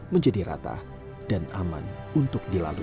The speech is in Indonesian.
menjadi rata dan aman untuk dilalui